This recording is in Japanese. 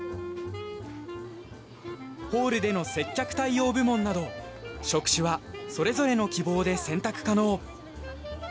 ホールでの接客対応部門など職種はそれぞれの希望で選択可能。